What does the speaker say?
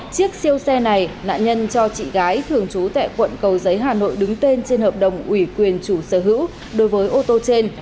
chiếc siêu xe này nạn nhân cho chị gái thường trú tại quận cầu giấy hà nội đứng tên trên hợp đồng ủy quyền chủ sở hữu đối với ô tô trên